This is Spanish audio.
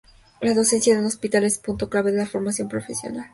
La docencia en un hospital es un punto clave en la formación de profesionales.